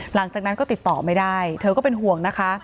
หลังจากนั้นก็ติดต่อไม่ได้เธอก็เป็นห่วงนะคะ